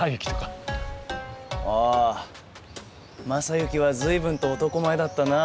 ああ昌幸は随分と男前だったな。